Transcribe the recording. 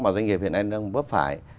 mà doanh nghiệp hiện nay đang bóp phải